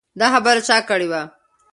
دا خبره چا کړې وه؟